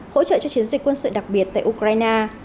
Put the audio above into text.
hỗ trợ cho chiến dịch quân sự đặc biệt tại ukraine